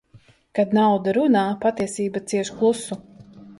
Kad nauda runā, patiesība cieš klusu.